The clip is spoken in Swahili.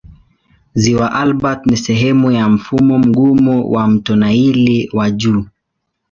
Ziwa Albert ni sehemu ya mfumo mgumu wa mto Nile wa juu.